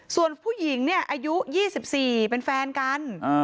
ส่วนผู้หญิงเนี่ยอายุ๒๔เป็นแฟนกัน